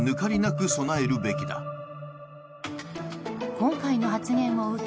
今回の発言を受け